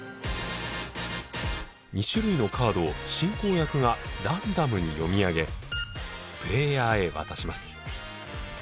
２種類のカードを進行役がランダムに読み上げプレイヤーへ渡します。